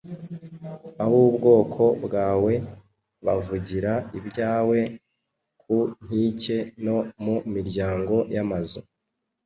Ab’ubwoko bwawe bavugira ibyawe ku nkike no mu miryango y’amazu